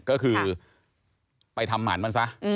ก็คือไปทำหมันมันซะ